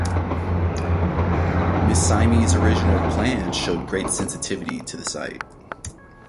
Ms. Symmes' original plan showed great sensitivity to the site.